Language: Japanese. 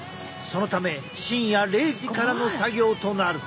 そのため深夜０時からの作業となる。